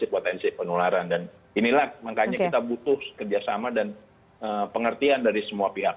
potensi penularan dan inilah makanya kita butuh kerjasama dan pengertian dari semua pihak